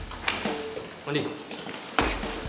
kalo gak ada siapa ganzen